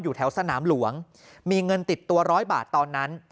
แถวสนามหลวงมีเงินติดตัวร้อยบาทตอนนั้น